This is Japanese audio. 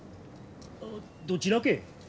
どちらけ？